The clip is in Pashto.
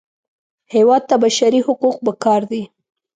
هېواد ته بشري حقوق پکار دي